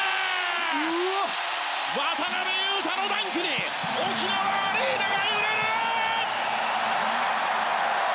渡邊雄太のダンクに沖縄アリーナが揺れる！